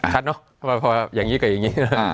คัดเนาะพออย่างนี้กับอย่างนี้